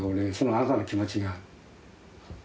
あなたの気持ちが。